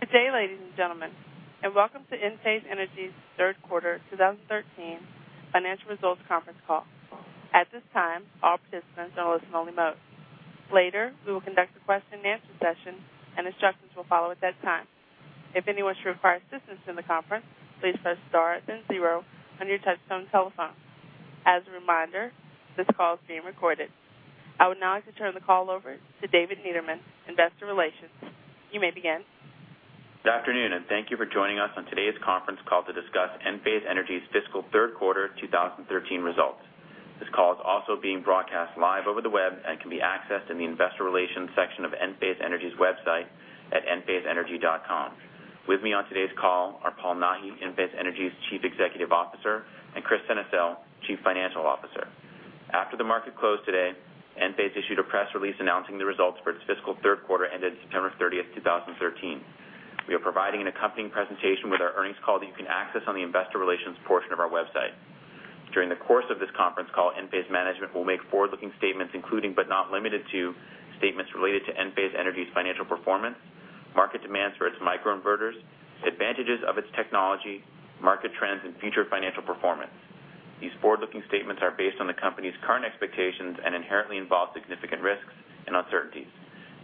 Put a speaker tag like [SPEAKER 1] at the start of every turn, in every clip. [SPEAKER 1] Good day, ladies and gentlemen, and welcome to Enphase Energy's third quarter 2013 financial results conference call. At this time, all participants are on listen-only mode. Later, we will conduct a question-and-answer session, and instructions will follow at that time. If anyone should require assistance in the conference, please press star then zero on your touchtone telephone. As a reminder, this call is being recorded. I would now like to turn the call over to David Benjamin, investor relations. You may begin.
[SPEAKER 2] Good afternoon, and thank you for joining us on today's conference call to discuss Enphase Energy's fiscal third quarter 2013 results. This call is also being broadcast live over the web and can be accessed in the investor relations section of Enphase Energy's website at enphase.com. With me on today's call are Paul Nahi, Enphase Energy's Chief Executive Officer, and Kris Sennesael, Chief Financial Officer. After the market closed today, Enphase issued a press release announcing the results for its fiscal third quarter ended September 30th, 2013. We are providing an accompanying presentation with our earnings call that you can access on the investor relations portion of our website. During the course of this conference call, Enphase management will make forward-looking statements, including, but not limited to, statements related to Enphase Energy's financial performance, market demands for its microinverters, advantages of its technology, market trends, and future financial performance. These forward-looking statements are based on the company's current expectations and inherently involve significant risks and uncertainties.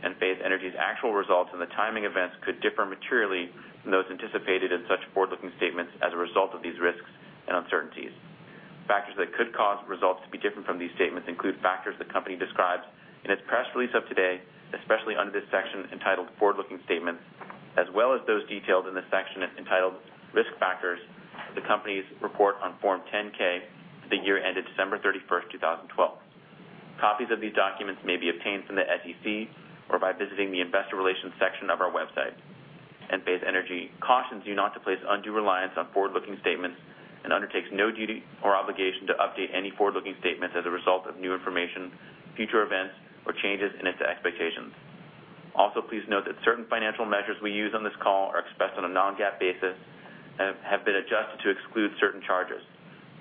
[SPEAKER 2] Enphase Energy's actual results and the timing events could differ materially from those anticipated in such forward-looking statements as a result of these risks and uncertainties. Factors that could cause results to be different from these statements include factors the company describes in its press release of today, especially under the section entitled Forward-Looking Statements, as well as those detailed in the section entitled Risk Factors of the company's report on Form 10-K for the year ended December 31st, 2012. Copies of these documents may be obtained from the SEC or by visiting the investor relations section of our website. Enphase Energy cautions you not to place undue reliance on forward-looking statements and undertakes no duty or obligation to update any forward-looking statements as a result of new information, future events, or changes in its expectations. Also, please note that certain financial measures we use on this call are expressed on a non-GAAP basis and have been adjusted to exclude certain charges.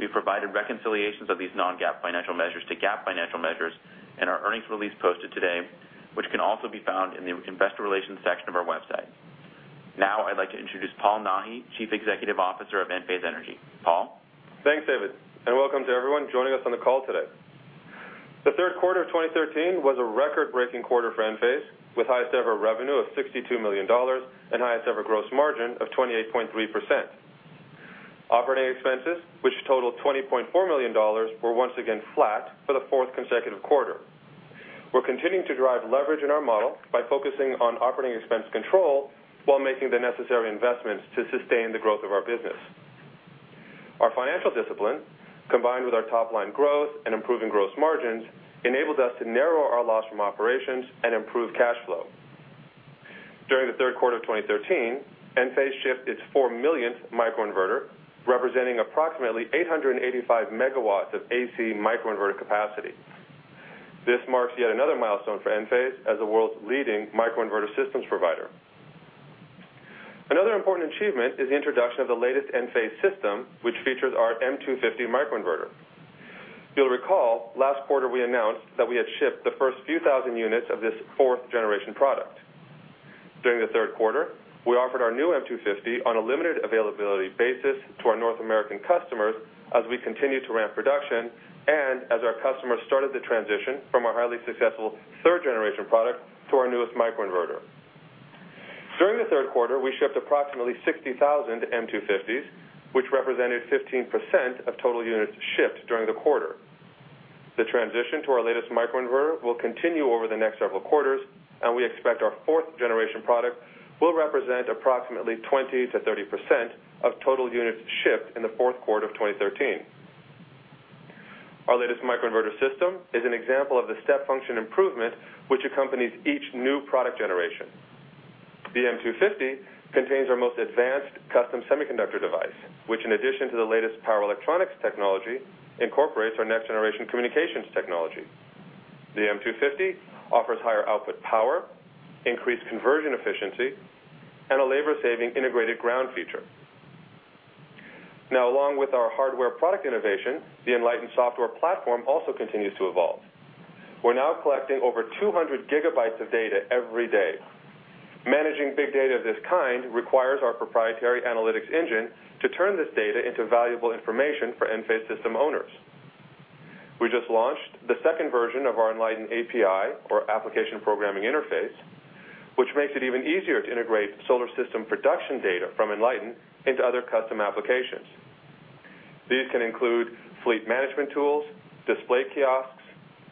[SPEAKER 2] We've provided reconciliations of these non-GAAP financial measures to GAAP financial measures in our earnings release posted today, which can also be found in the investor relations section of our website. I'd like to introduce Paul Nahi, Chief Executive Officer of Enphase Energy. Paul?
[SPEAKER 3] Thanks, David, and welcome to everyone joining us on the call today. The third quarter of 2013 was a record-breaking quarter for Enphase, with highest-ever revenue of $62 million and highest-ever gross margin of 28.3%. Operating expenses, which totaled $20.4 million, were once again flat for the fourth consecutive quarter. We're continuing to drive leverage in our model by focusing on operating expense control while making the necessary investments to sustain the growth of our business. Our financial discipline, combined with our top-line growth and improving gross margins, enabled us to narrow our loss from operations and improve cash flow. During the third quarter of 2013, Enphase shipped its four millionth microinverter, representing approximately 885 megawatts of AC microinverter capacity. This marks yet another milestone for Enphase as the world's leading microinverter systems provider. Another important achievement is the introduction of the latest Enphase system, which features our M250 microinverter. You'll recall last quarter we announced that we had shipped the first few thousand units of this fourth-generation product. During the third quarter, we offered our new M250 on a limited availability basis to our North American customers as we continued to ramp production and as our customers started to transition from our highly successful third-generation product to our newest microinverter. During the third quarter, we shipped approximately 60,000 M250s, which represented 15% of total units shipped during the quarter. The transition to our latest microinverter will continue over the next several quarters. We expect our fourth-generation product will represent approximately 20% to 30% of total units shipped in the fourth quarter of 2013. Our latest microinverter system is an example of the step function improvement which accompanies each new product generation. The M250 contains our most advanced custom semiconductor device, which, in addition to the latest power electronics technology, incorporates our next-generation communications technology. The M250 offers higher output power, increased conversion efficiency, and a labor-saving integrated ground feature. Along with our hardware product innovation, the Enlighten software platform also continues to evolve. We're now collecting over 200 gigabytes of data every day. Managing big data of this kind requires our proprietary analytics engine to turn this data into valuable information for Enphase system owners. We just launched the second version of our Enlighten API, or application programming interface, which makes it even easier to integrate solar system production data from Enlighten into other custom applications. These can include fleet management tools, display kiosks,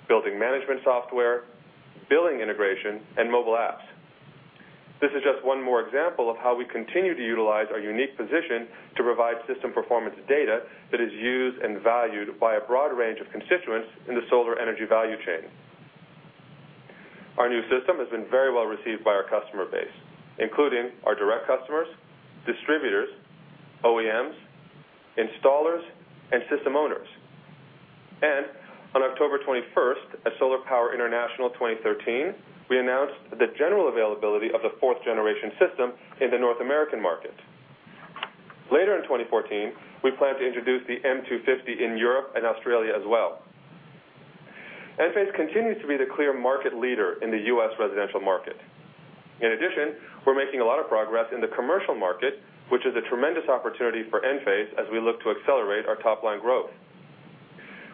[SPEAKER 3] building management software, billing integration, and mobile apps. This is just one more example of how we continue to utilize our unique position to provide system performance data that is used and valued by a broad range of constituents in the solar energy value chain. Our new system has been very well received by our customer base, including our direct customers, distributors, OEMs, installers, and system owners. On October 21st, at Solar Power International 2013, we announced the general availability of the fourth-generation system in the North American market. Later in 2014, we plan to introduce the M250 in Europe and Australia as well. Enphase continues to be the clear market leader in the U.S. residential market. In addition, we're making a lot of progress in the commercial market, which is a tremendous opportunity for Enphase as we look to accelerate our top-line growth.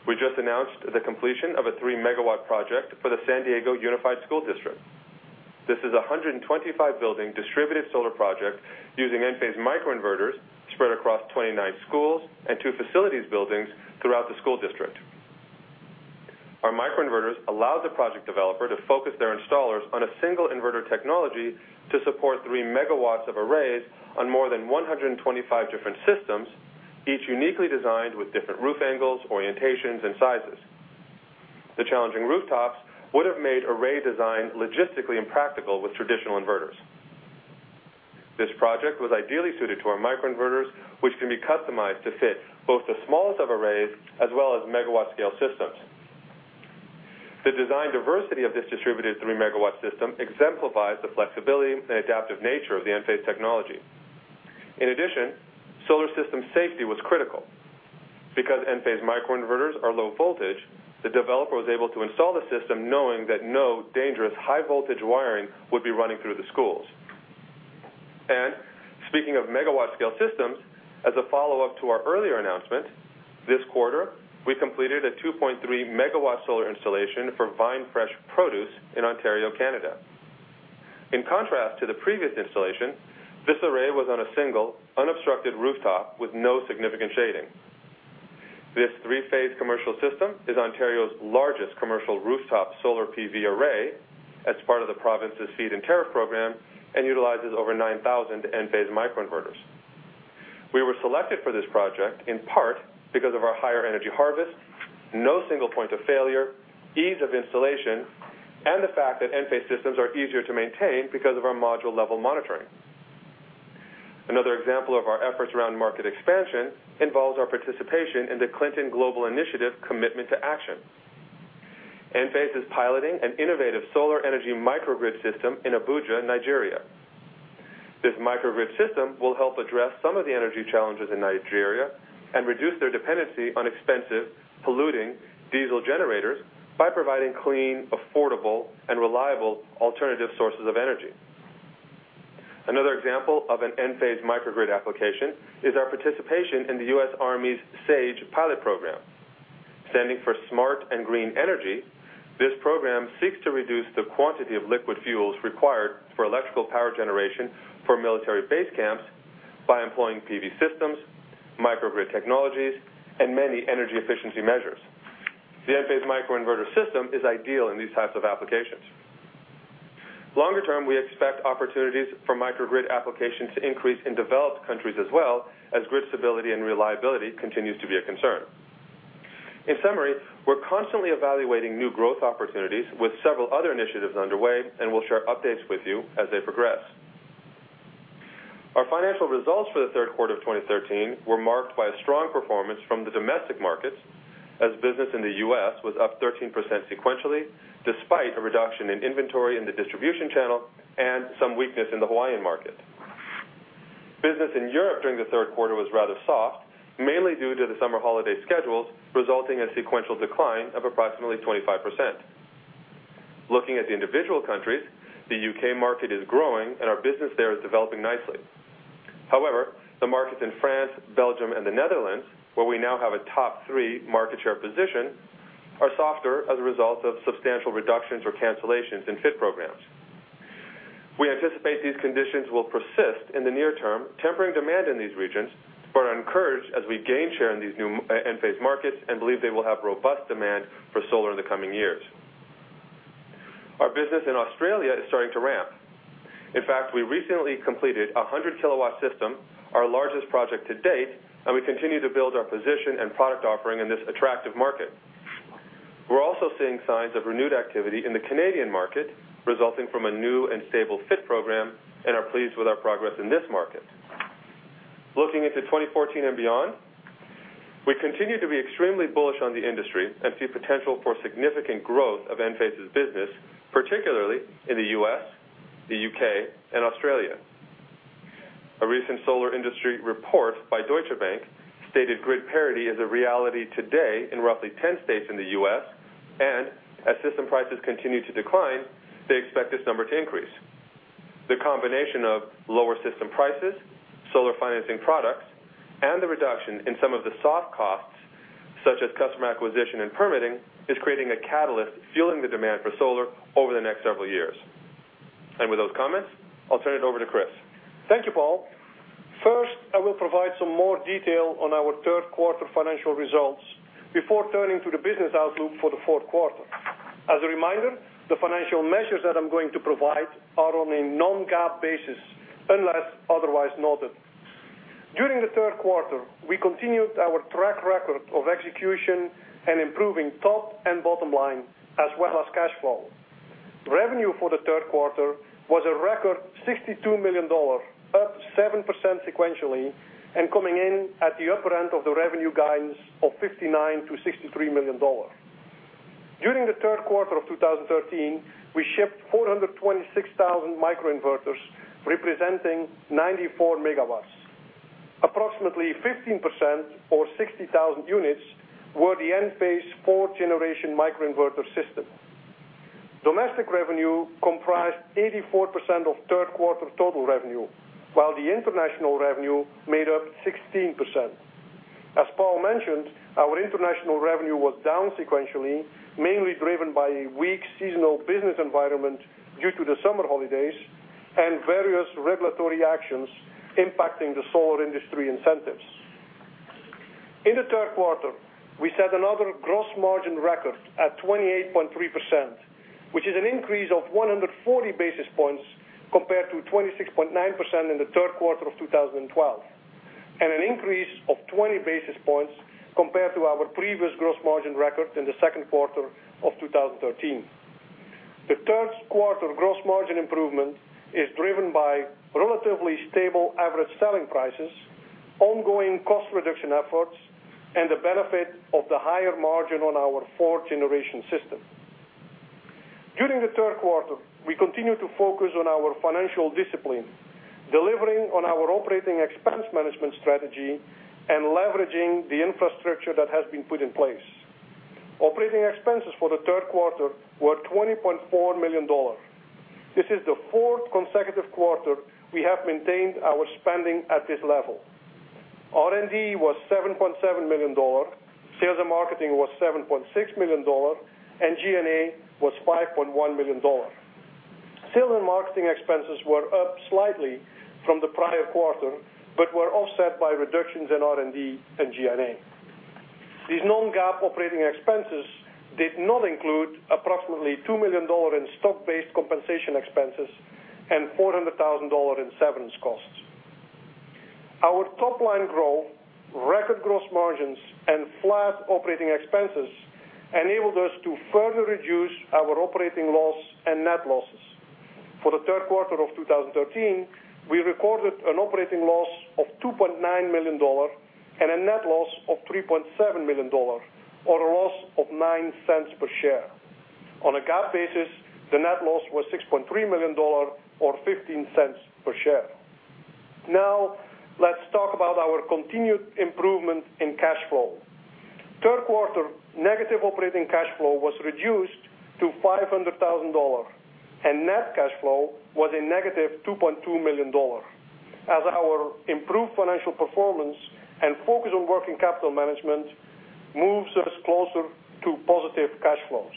[SPEAKER 3] We just announced the completion of a 3-megawatt project for the San Diego Unified School District. This is a 125-building distributed solar project using Enphase microinverters spread across 29 schools and 2 facilities buildings throughout the school district. Our microinverters allow the project developer to focus their installers on a single inverter technology to support 3 megawatts of arrays on more than 125 different systems, each uniquely designed with different roof angles, orientations, and sizes. The challenging rooftops would have made array design logistically impractical with traditional inverters. This project was ideally suited to our microinverters, which can be customized to fit both the smallest of arrays as well as megawatt-scale systems. The design diversity of this distributed 3-megawatt system exemplifies the flexibility and adaptive nature of the Enphase technology. Solar system safety was critical. Because Enphase microinverters are low voltage, the developer was able to install the system knowing that no dangerous high-voltage wiring would be running through the schools. Speaking of megawatt-scale systems, as a follow-up to our earlier announcement, this quarter, we completed a 2.3-megawatt solar installation for Vine Fresh Acres in Ontario, Canada. In contrast to the previous installation, this array was on a single unobstructed rooftop with no significant shading. This three-phase commercial system is Ontario's largest commercial rooftop solar PV array as part of the province's feed-in tariff program and utilizes over 9,000 Enphase microinverters. We were selected for this project in part because of our higher energy harvest, no single point of failure, ease of installation, and the fact that Enphase systems are easier to maintain because of our module-level monitoring. Another example of our efforts around market expansion involves our participation in the Clinton Global Initiative Commitment to Action. Enphase is piloting an innovative solar energy microgrid system in Abuja, Nigeria. This microgrid system will help address some of the energy challenges in Nigeria and reduce their dependency on expensive, polluting diesel generators by providing clean, affordable, and reliable alternative sources of energy. Another example of an Enphase microgrid application is our participation in the U.S. Army's SAGE pilot program. Standing for Smart and Green Energy, this program seeks to reduce the quantity of liquid fuels required for electrical power generation for military base camps by employing PV systems, microgrid technologies, and many energy efficiency measures. The Enphase microinverter system is ideal in these types of applications. Longer term, we expect opportunities for microgrid applications to increase in developed countries as well as grid stability and reliability continues to be a concern. We're constantly evaluating new growth opportunities with several other initiatives underway, and we'll share updates with you as they progress. Our financial results for the third quarter of 2013 were marked by a strong performance from the domestic markets as business in the U.S. was up 13% sequentially, despite a reduction in inventory in the distribution channel and some weakness in the Hawaiian market. Business in Europe during the third quarter was rather soft, mainly due to the summer holiday schedules, resulting in a sequential decline of approximately 25%. Looking at the individual countries, the U.K. market is growing, our business there is developing nicely. However, the markets in France, Belgium, and the Netherlands, where we now have a top three market share position, are softer as a result of substantial reductions or cancellations in FIT programs. We anticipate these conditions will persist in the near term, tempering demand in these regions, but are encouraged as we gain share in these new Enphase markets and believe they will have robust demand for solar in the coming years. Our business in Australia is starting to ramp. In fact, we recently completed a 100-kilowatt system, our largest project to date, and we continue to build our position and product offering in this attractive market. We're also seeing signs of renewed activity in the Canadian market, resulting from a new and stable FIT program and are pleased with our progress in this market. Looking into 2014 and beyond, we continue to be extremely bullish on the industry and see potential for significant growth of Enphase's business, particularly in the U.S., the U.K., and Australia. A recent solar industry report by Deutsche Bank stated grid parity is a reality today in roughly 10 states in the U.S. and as system prices continue to decline, they expect this number to increase. The combination of lower system prices, solar financing products, and the reduction in some of the soft costs, such as customer acquisition and permitting, is creating a catalyst fueling the demand for solar over the next several years. With those comments, I'll turn it over to Kris.
[SPEAKER 4] Thank you, Paul. First, I will provide some more detail on our third quarter financial results before turning to the business outlook for the fourth quarter. As a reminder, the financial measures that I'm going to provide are on a non-GAAP basis unless otherwise noted. During the third quarter, we continued our track record of execution and improving top and bottom line as well as cash flow. Revenue for the third quarter was a record $62 million, up 7% sequentially, and coming in at the upper end of the revenue guidance of $59 million-$63 million. During the third quarter of 2013, we shipped 426,000 microinverters, representing 94 megawatts. Approximately 15%, or 60,000 units, were the Enphase fourth generation microinverter system. Domestic revenue comprised 84% of third quarter total revenue, while the international revenue made up 16%. As Paul mentioned, our international revenue was down sequentially, mainly driven by a weak seasonal business environment due to the summer holidays and various regulatory actions impacting the solar industry incentives. In the third quarter, we set another gross margin record at 28.3%, which is an increase of 140 basis points compared to 26.9% in the third quarter of 2012, and an increase of 20 basis points compared to our previous gross margin record in the second quarter of 2013. The third quarter gross margin improvement is driven by relatively stable average selling prices, ongoing cost reduction efforts, and the benefit of the higher margin on our fourth generation system. During the third quarter, we continued to focus on our financial discipline, delivering on our operating expense management strategy and leveraging the infrastructure that has been put in place. Operating expenses for the third quarter were $20.4 million. This is the fourth consecutive quarter we have maintained our spending at this level. R&D was $7.7 million, sales and marketing was $7.6 million, and G&A was $5.1 million. Sales and marketing expenses were up slightly from the prior quarter, but were offset by reductions in R&D and G&A. These non-GAAP operating expenses did not include approximately $2 million in stock-based compensation expenses and $400,000 in severance costs. Our top-line growth, record gross margins, and flat operating expenses enabled us to further reduce our operating loss and net losses. For the third quarter of 2013, we recorded an operating loss of $2.9 million and a net loss of $3.7 million, or a loss of $0.09 per share. On a GAAP basis, the net loss was $6.3 million or $0.15 per share. Let's talk about our continued improvement in cash flow. Third quarter negative operating cash flow was reduced to $500,000, and net cash flow was a negative $2.2 million as our improved financial performance and focus on working capital management moves us closer to positive cash flows.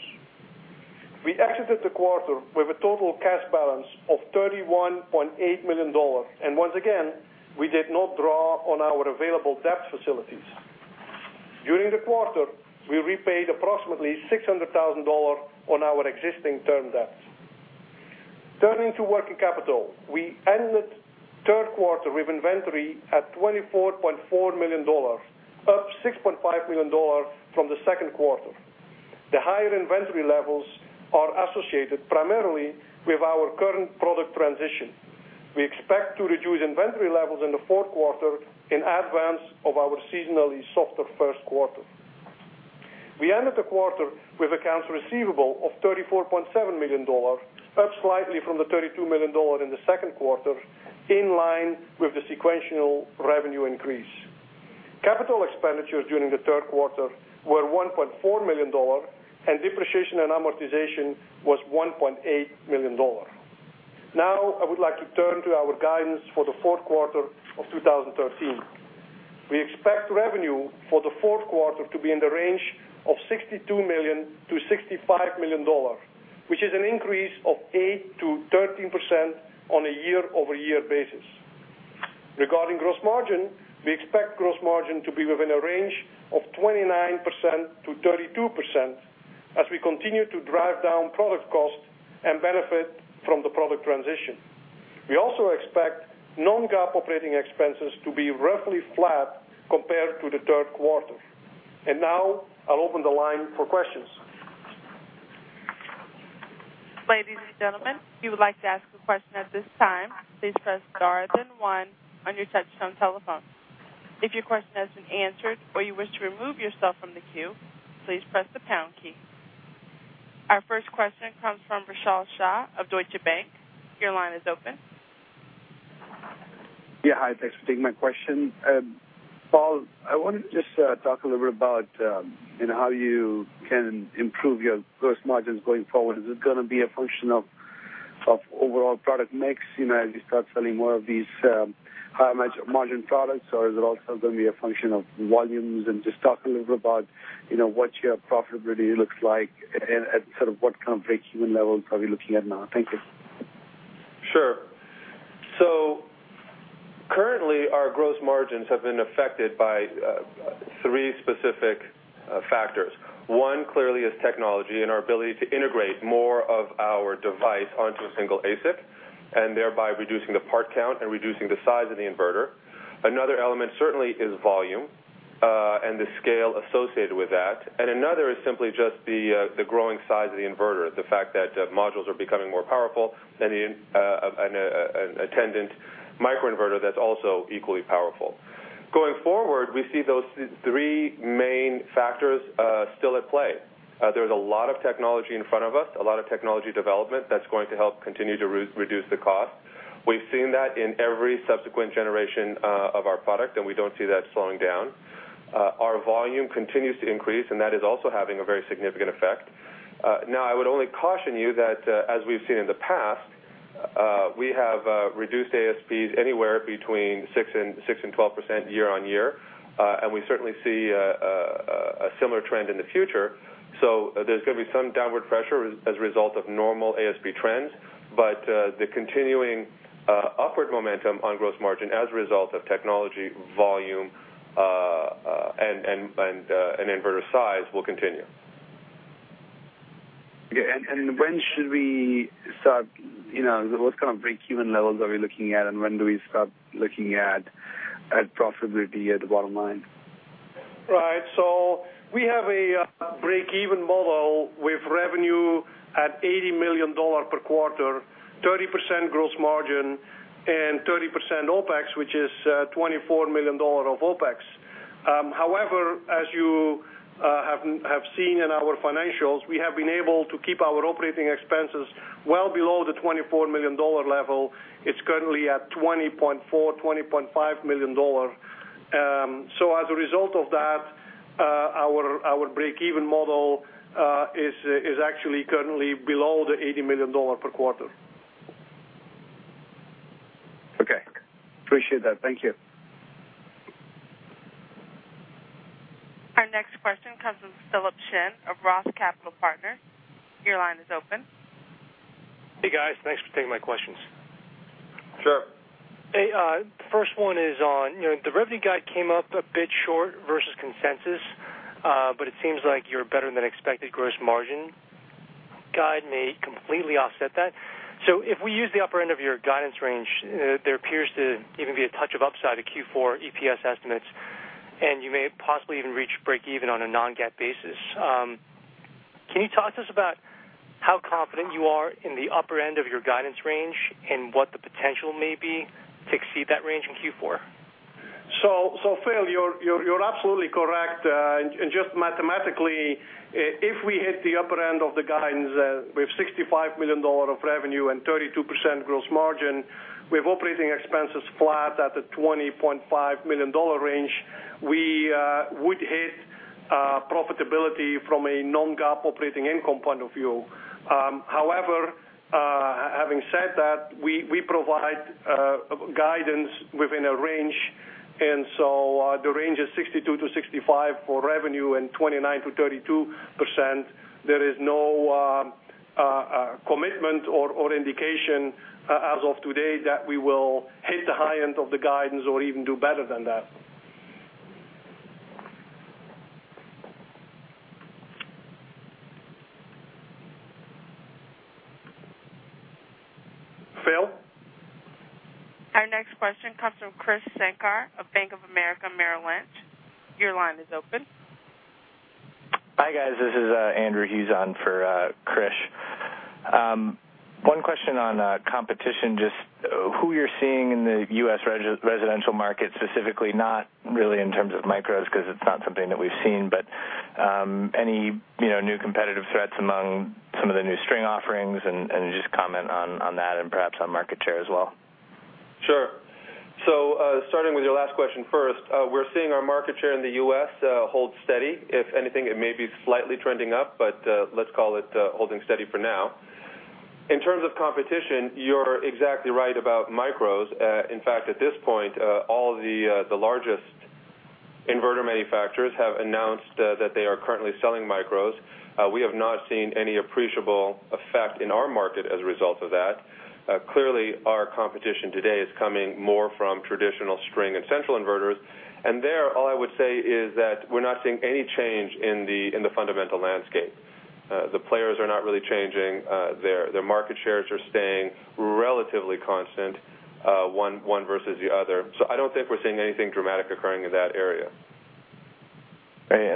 [SPEAKER 4] We exited the quarter with a total cash balance of $31.8 million, and once again, we did not draw on our available debt facilities. During the quarter, we repaid approximately $600,000 on our existing term debts. Turning to working capital, we ended the third quarter with inventory at $24.4 million, up $6.5 million from the second quarter. The higher inventory levels are associated primarily with our current product transition. We expect to reduce inventory levels in the fourth quarter in advance of our seasonally softer first quarter. We ended the quarter with accounts receivable of $34.7 million, up slightly from the $32 million in the second quarter, in line with the sequential revenue increase. Capital expenditures during the third quarter were $1.4 million, and depreciation and amortization was $1.8 million. I would like to turn to our guidance for the fourth quarter of 2013. We expect revenue for the fourth quarter to be in the range of $62 million-$65 million, which is an increase of 8%-13% on a year-over-year basis. Regarding gross margin, we expect gross margin to be within a range of 29%-32% as we continue to drive down product cost and benefit from the product transition. We also expect non-GAAP operating expenses to be roughly flat compared to the third quarter. I'll open the line for questions.
[SPEAKER 1] Ladies and gentlemen, if you would like to ask a question at this time, please press star then one on your touchtone telephone. If your question has been answered or you wish to remove yourself from the queue, please press the pound key. Our first question comes from Vishal Shah of Deutsche Bank. Your line is open.
[SPEAKER 5] Hi. Thanks for taking my question. Paul, I wanted to just talk a little bit about how you can improve your gross margins going forward. Is it going to be a function of overall product mix, as you start selling more of these higher margin products, or is it also going to be a function of volumes? Just talk a little bit about what your profitability looks like and at sort of what kind of breakeven level are we looking at now? Thank you.
[SPEAKER 3] Sure. Currently, our gross margins have been affected by three specific factors. One, clearly, is technology and our ability to integrate more of our device onto a single ASIC, thereby reducing the part count and reducing the size of the inverter. Another element certainly is volume, and the scale associated with that. Another is simply just the growing size of the inverter, the fact that modules are becoming more powerful and an attendant microinverter that's also equally powerful. Going forward, we see those three main factors still at play. There's a lot of technology in front of us, a lot of technology development that's going to help continue to reduce the cost. We've seen that in every subsequent generation of our product. We don't see that slowing down. Our volume continues to increase. That is also having a very significant effect. Now, I would only caution you that, as we've seen in the past, we have reduced ASPs anywhere between 6%-12% year-on-year. We certainly see a similar trend in the future. There's going to be some downward pressure as a result of normal ASP trends, but the continuing upward momentum on gross margin as a result of technology, volume, and inverter size will continue.
[SPEAKER 5] Okay. When should we start? What kind of breakeven levels are we looking at? When do we start looking at profitability at the bottom line?
[SPEAKER 4] Right. We have a breakeven model with revenue at $80 million per quarter, 30% gross margin, and 30% OPEX, which is $24 million of OPEX. However, as you have seen in our financials, we have been able to keep our operating expenses well below the $24 million level. It's currently at $20.4, $20.5 million. As a result of that, our breakeven model is actually currently below the $80 million per quarter.
[SPEAKER 5] Okay. Appreciate that. Thank you.
[SPEAKER 1] Our next question comes from Philip Shen of ROTH Capital Partners. Your line is open.
[SPEAKER 6] Hey, guys. Thanks for taking my questions.
[SPEAKER 4] Sure.
[SPEAKER 6] The revenue guide came up a bit short versus consensus, but it seems like your better-than-expected gross margin guide may completely offset that. If we use the upper end of your guidance range, there appears to even be a touch of upside to Q4 EPS estimates, and you may possibly even reach breakeven on a non-GAAP basis. Can you talk to us about how confident you are in the upper end of your guidance range and what the potential may be to exceed that range in Q4?
[SPEAKER 4] Phil, you're absolutely correct. Just mathematically, if we hit the upper end of the guidance with $65 million of revenue and 32% gross margin, we have operating expenses flat at the $20.5 million range. We would hit profitability from a non-GAAP operating income point of view. However, having said that, we provide guidance within a range. The range is $62-$65 for revenue and 29%-32%. There is no commitment or indication as of today that we will hit the high end of the guidance or even do better than that.
[SPEAKER 3] Phil?
[SPEAKER 1] Our next question comes from Krish Sankar of Bank of America Merrill Lynch. Your line is open.
[SPEAKER 7] Hi, guys. This is Andrew. He's on for Krish. One question on competition, just who you're seeing in the U.S. residential market specifically, not really in terms of micros because it's not something that we've seen, but any new competitive threats among some of the new string offerings and just comment on that and perhaps on market share as well.
[SPEAKER 3] Sure. Starting with your last question first, we're seeing our market share in the U.S. hold steady. If anything, it may be slightly trending up, but let's call it holding steady for now. In terms of competition, you're exactly right about micros. In fact, at this point, all the largest inverter manufacturers have announced that they are currently selling micros. We have not seen any appreciable effect in our market as a result of that. Clearly, our competition today is coming more from traditional string and central inverters. There, all I would say is that we're not seeing any change in the fundamental landscape. The players are not really changing. Their market shares are staying relatively constant, one versus the other. I don't think we're seeing anything dramatic occurring in that area.
[SPEAKER 7] Great.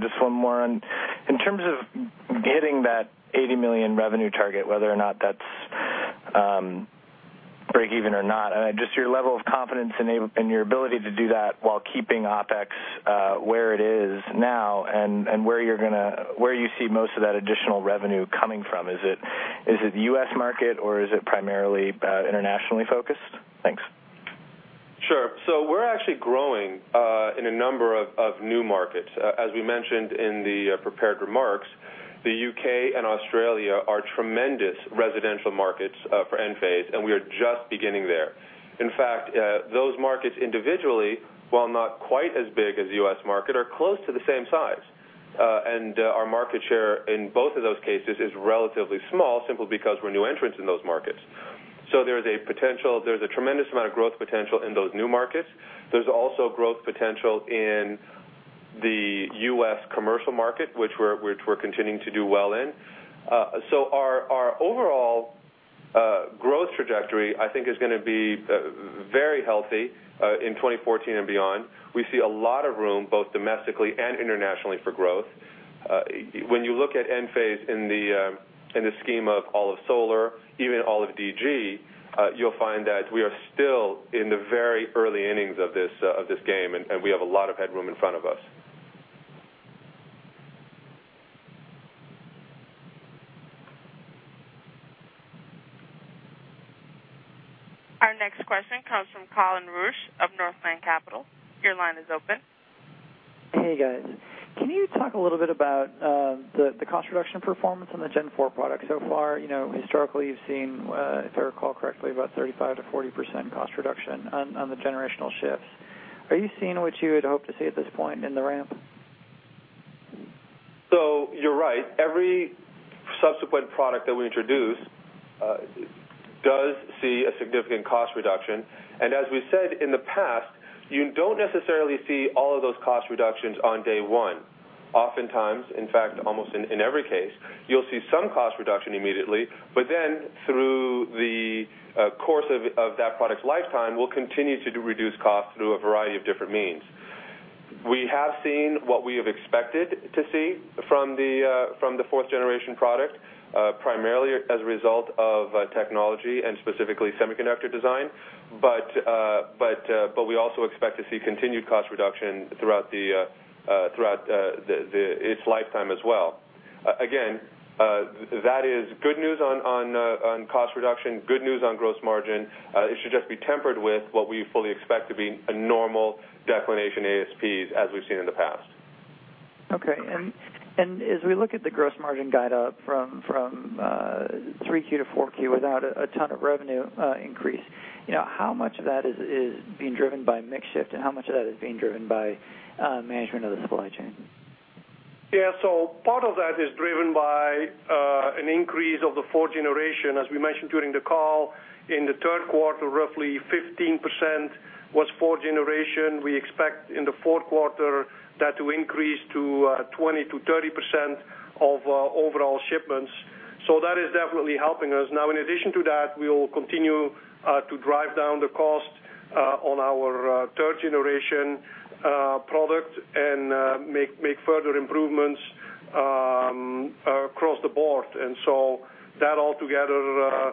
[SPEAKER 7] Just one more on. In terms of hitting that $80 million revenue target, whether or not that's breakeven or not, just your level of confidence and your ability to do that while keeping OPEX where it is now and where you see most of that additional revenue coming from. Is it U.S. market, or is it primarily internationally focused? Thanks.
[SPEAKER 3] Sure. We're actually growing in a number of new markets. As we mentioned in the prepared remarks, the U.K. and Australia are tremendous residential markets for Enphase, and we are just beginning there. In fact, those markets individually, while not quite as big as the U.S. market, are close to the same size. Our market share in both of those cases is relatively small, simply because we're new entrants in those markets. There's a tremendous amount of growth potential in those new markets. There's also growth potential in the U.S. commercial market, which we're continuing to do well in. Our overall growth trajectory, I think, is going to be very healthy in 2014 and beyond. We see a lot of room, both domestically and internationally for growth. When you look at Enphase in the scheme of all of solar, even all of DG, you'll find that we are still in the very early innings of this game, and we have a lot of headroom in front of us.
[SPEAKER 1] Our next question comes from Colin Rusch of Northland Capital. Your line is open.
[SPEAKER 8] Hey, guys. Can you talk a little bit about the cost reduction performance on the Gen 4 product so far? Historically, you've seen, if I recall correctly, about 35%-40% cost reduction on the generational shifts. Are you seeing what you had hoped to see at this point in the ramp?
[SPEAKER 3] You're right. Every subsequent product that we introduce does see a significant cost reduction. As we've said in the past, you don't necessarily see all of those cost reductions on day one. Oftentimes, in fact, almost in every case, you'll see some cost reduction immediately, then through the course of that product's lifetime, we'll continue to reduce costs through a variety of different means. We have seen what we have expected to see from the fourth-generation product, primarily as a result of technology and specifically semiconductor design. We also expect to see continued cost reduction throughout its lifetime as well. That is good news on cost reduction, good news on gross margin. It should just be tempered with what we fully expect to be a normal declination ASPs as we've seen in the past.
[SPEAKER 8] Okay, as we look at the gross margin guide up from 3Q to 4Q without a ton of revenue increase, how much of that is being driven by mix shift and how much of that is being driven by management of the supply chain?
[SPEAKER 4] Part of that is driven by an increase of the fourth-generation. As we mentioned during the call, in the third quarter, roughly 15% was fourth-generation. We expect in the fourth quarter that to increase to 20%-30% of overall shipments. That is definitely helping us. Now, in addition to that, we will continue to drive down the cost on our third-generation product and make further improvements across the board. That altogether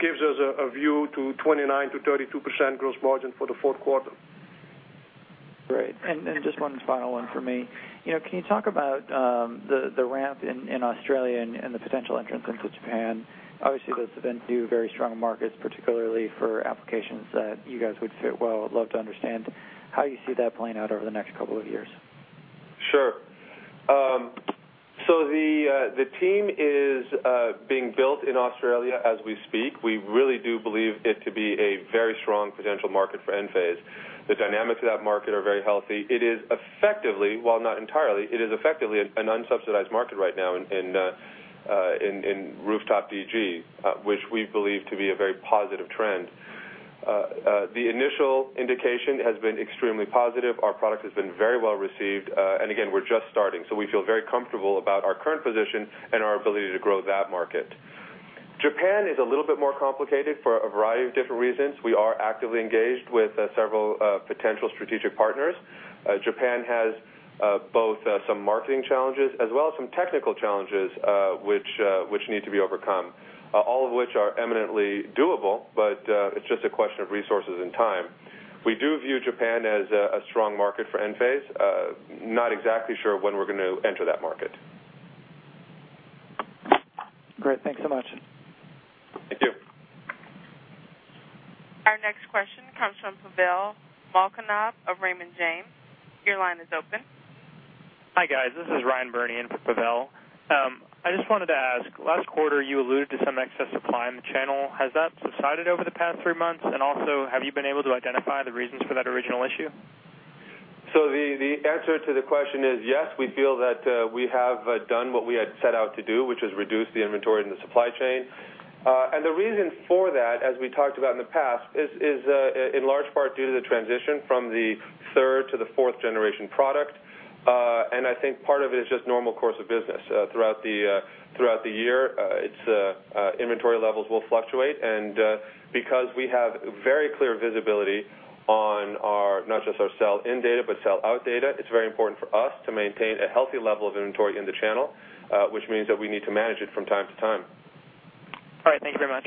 [SPEAKER 4] gives us a view to 29%-32% gross margin for the fourth quarter.
[SPEAKER 8] Great, just one final one from me. Can you talk about the ramp in Australia and the potential entrance into Japan? Obviously, those have been two very strong markets, particularly for applications that you guys would fit well. I'd love to understand how you see that playing out over the next couple of years.
[SPEAKER 3] Sure. The team is being built in Australia as we speak. We really do believe it to be a very strong potential market for Enphase. The dynamics of that market are very healthy. It is effectively, while not entirely, it is effectively an unsubsidized market right now in rooftop DG, which we believe to be a very positive trend. The initial indication has been extremely positive. Our product has been very well received. Again, we're just starting, so we feel very comfortable about our current position and our ability to grow that market. Japan is a little bit more complicated for a variety of different reasons. We are actively engaged with several potential strategic partners. Japan has both some marketing challenges as well as some technical challenges which need to be overcome, all of which are eminently doable, but it's just a question of resources and time. We do view Japan as a strong market for Enphase. Not exactly sure when we're going to enter that market.
[SPEAKER 8] Great. Thanks so much.
[SPEAKER 3] Thank you.
[SPEAKER 1] Our next question comes from Pavel Molchanov of Raymond James. Your line is open.
[SPEAKER 9] Hi, guys. This is Ryan Bernier in for Pavel. I just wanted to ask, last quarter you alluded to some excess supply in the channel. Has that subsided over the past three months? Also, have you been able to identify the reasons for that original issue?
[SPEAKER 3] The answer to the question is yes, we feel that we have done what we had set out to do, which is reduce the inventory in the supply chain. The reason for that, as we talked about in the past, is in large part due to the transition from the third to the fourth-generation product. I think part of it is just normal course of business. Throughout the year, its inventory levels will fluctuate. Because we have very clear visibility on not just our sell-in data, but sell-out data, it's very important for us to maintain a healthy level of inventory in the channel, which means that we need to manage it from time to time.
[SPEAKER 9] All right. Thank you very much.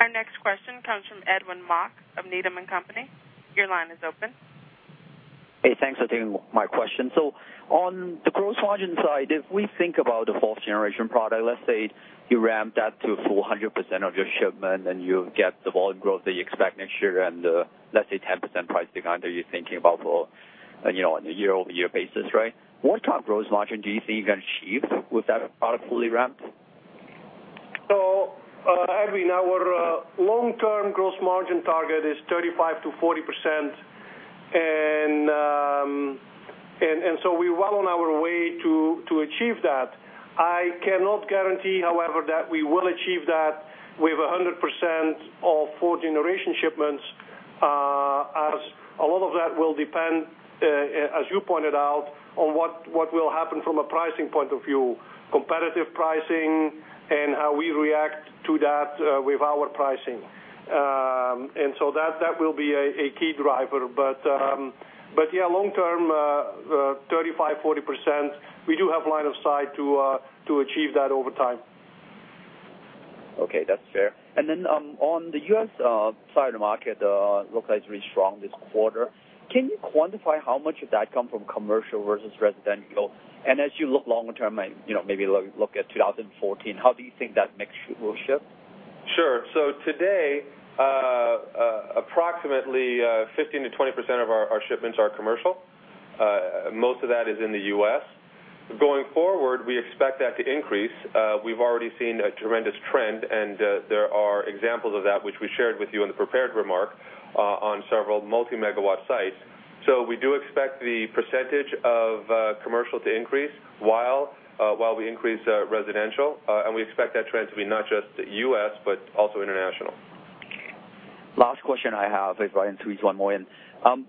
[SPEAKER 1] Our next question comes from Edwin Mok of Needham & Company. Your line is open.
[SPEAKER 10] Hey, thanks for taking my question. On the gross margin side, if we think about the fourth-generation product, let's say you ramp that to 400% of your shipment and you get the volume growth that you expect next year and let's say 10% pricing under you're thinking about for on a year-over-year basis, right? What kind of gross margin do you think you can achieve with that product fully ramped?
[SPEAKER 4] Edwin, our long-term gross margin target is 35%-40%, and we're well on our way to achieve that. I cannot guarantee, however, that we will achieve that with 100% of fourth-generation shipments, as a lot of that will depend, as you pointed out, on what will happen from a pricing point of view, competitive pricing, and how we react to that with our pricing. That will be a key driver. Yeah, long term, 35%-40%, we do have line of sight to achieve that over time.
[SPEAKER 10] Okay, that's fair. On the U.S. side of the market, localized very strong this quarter, can you quantify how much of that come from commercial versus residential? As you look longer term, maybe look at 2014, how do you think that mix will shift?
[SPEAKER 3] Sure. Today, approximately 15%-20% of our shipments are commercial. Most of that is in the U.S. Going forward, we expect that to increase. We've already seen a tremendous trend, and there are examples of that which we shared with you in the prepared remark on several multi-megawatt sites. We do expect the percentage of commercial to increase while we increase residential, and we expect that trend to be not just U.S., but also international.
[SPEAKER 10] Last question I have, if I can squeeze one more in.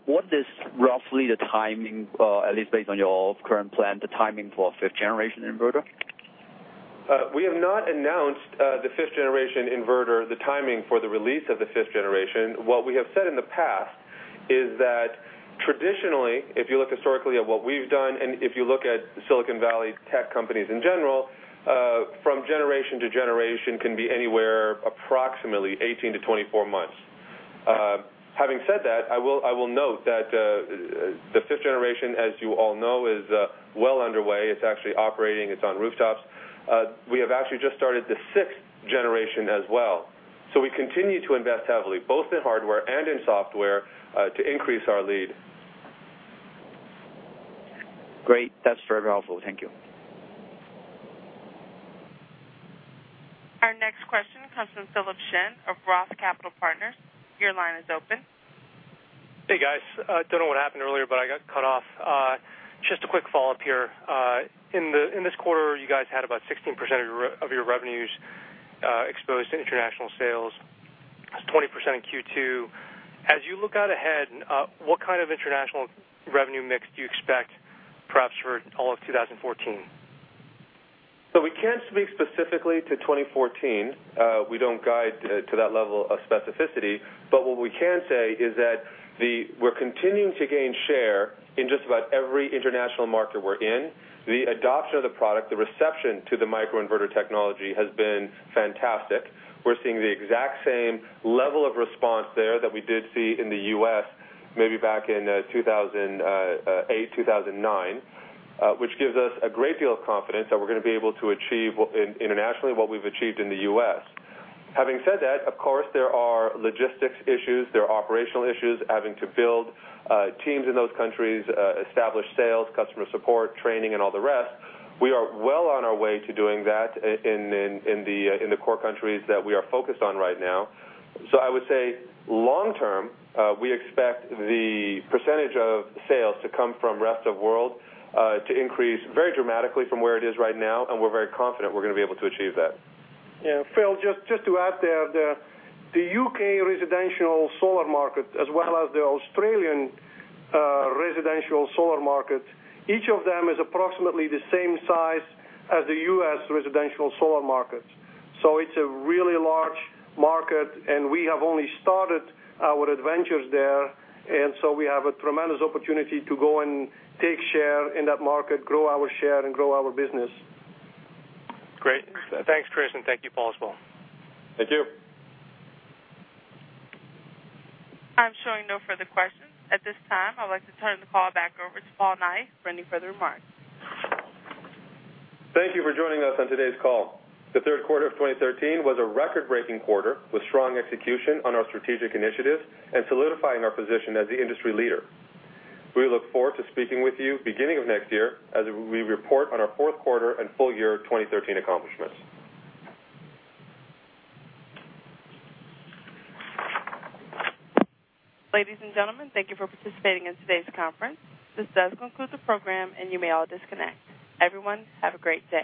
[SPEAKER 10] What is roughly the timing, at least based on your current plan, the timing for a fifth-generation inverter?
[SPEAKER 3] We have not announced the fifth-generation inverter, the timing for the release of the fifth generation. What we have said in the past is that traditionally, if you look historically at what we've done, and if you look at Silicon Valley tech companies in general, from generation to generation can be anywhere approximately 18-24 months. Having said that, I will note that the fifth generation, as you all know, is well underway. It's actually operating. It's on rooftops. We have actually just started the sixth generation as well. We continue to invest heavily, both in hardware and in software, to increase our lead.
[SPEAKER 10] Great. That's very helpful. Thank you.
[SPEAKER 1] Our next question comes from Philip Shen of ROTH Capital Partners. Your line is open.
[SPEAKER 6] Hey, guys. Don't know what happened earlier, but I got cut off. Just a quick follow-up here. In this quarter, you guys had about 16% of your revenues exposed to international sales. It was 20% in Q2. As you look out ahead, what kind of international revenue mix do you expect, perhaps for all of 2014?
[SPEAKER 3] We can't speak specifically to 2014. We don't guide to that level of specificity. What we can say is that we're continuing to gain share in just about every international market we're in. The adoption of the product, the reception to the microinverter technology has been fantastic. We're seeing the exact same level of response there that we did see in the U.S., maybe back in 2008, 2009, which gives us a great deal of confidence that we're going to be able to achieve internationally what we've achieved in the U.S. Having said that, of course, there are logistics issues, there are operational issues, having to build teams in those countries, establish sales, customer support, training, and all the rest. We are well on our way to doing that in the core countries that we are focused on right now. I would say long term, we expect the percentage of sales to come from rest of world to increase very dramatically from where it is right now, and we're very confident we're going to be able to achieve that.
[SPEAKER 4] Yeah. Phil, just to add there, the U.K. residential solar market as well as the Australian residential solar market, each of them is approximately the same size as the U.S. residential solar market. It's a really large market, and we have only started our adventures there, we have a tremendous opportunity to go and take share in that market, grow our share, and grow our business.
[SPEAKER 6] Great. Thanks, Kris, and thank you, Paul, as well.
[SPEAKER 3] Thank you.
[SPEAKER 1] I'm showing no further questions. At this time, I'd like to turn the call back over to Paul Nahi for any further remarks.
[SPEAKER 3] Thank you for joining us on today's call. The third quarter of 2013 was a record-breaking quarter with strong execution on our strategic initiatives and solidifying our position as the industry leader. We look forward to speaking with you beginning of next year as we report on our fourth quarter and full year 2013 accomplishments.
[SPEAKER 1] Ladies and gentlemen, thank you for participating in today's conference. This does conclude the program, and you may all disconnect. Everyone, have a great day.